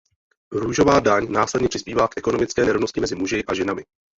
Růžová daň následně přispívá k ekonomické nerovnosti mezi muži a ženami.